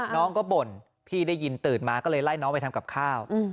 น้องก็บ่นพี่ได้ยินตื่นมาก็เลยไล่น้องไปทำกับข้าว